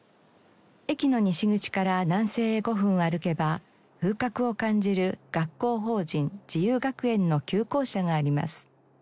駅の西口から南西へ５分歩けば風格を感じる学校法人自由学園の旧校舎があります。